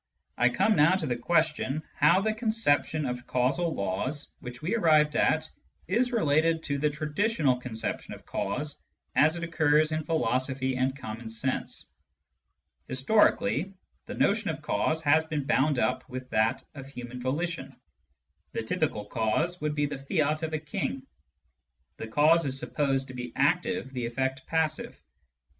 I come now to the question how the conception of causal laws which we have arrived at is related to the traditional conception of cause as it occurs in philosophy and common sense. Historically, the notion of cause has been bound up with that of human volition. The typical cause would be the fiat of a king. The cause is supposed to be " active," the efFect " passive."